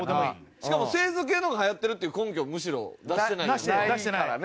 しかも清楚系の方がはやってるっていう根拠むしろ出してないやんか。